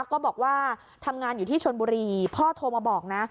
ก็บอกว่าทำงานอยู่ที่ชนบุรีพ่อโทรมาบอกนะ